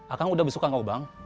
akang udah besok kak gobang